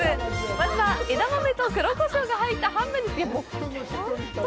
まずは、枝豆と黒こしょうが入ったはんぺんです。